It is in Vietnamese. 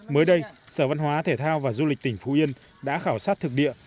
mới đây sở văn hóa thể thao và du lịch tỉnh phú yên đã khảo sát thực địa